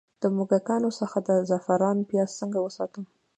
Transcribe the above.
د موږکانو څخه د زعفرانو پیاز څنګه وساتم؟